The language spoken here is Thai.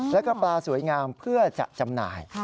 แล้วก็ปลาสวยงามเพื่อจะจำหน่าย